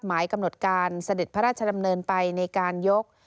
หมายกำหนดการเสด็จพระราชดำเนินไปในการยก